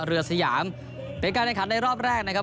เรือสยามเป็นการแรงขันได้รอบแรกนะครับ